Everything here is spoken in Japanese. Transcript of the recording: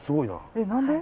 えっ何で？